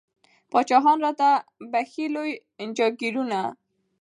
پاچاهان را ته بخښي لوی جاګیرونه